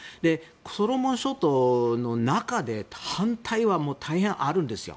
ソロモン諸島の中で反対は大変あるんですよ